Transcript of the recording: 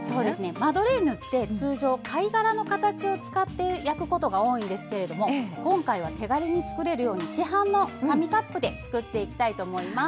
マドレーヌって通常、貝殻の型を使って焼くことが多いんですけど今回は手軽に作れるように市販の紙カップで作っていきたいと思います。